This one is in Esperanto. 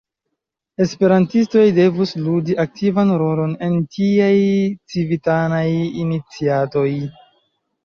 Esperantistoj devus ludi aktivan rolon en tiaj civitanaj iniciatoj.